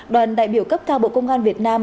đoàn đại biểu cấp cao bộ công an việt nam